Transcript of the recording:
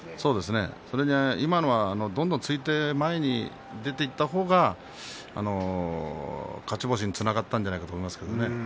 今は、どんどん突いて前に出ていった方が勝ちにつながったんじゃないかと思います。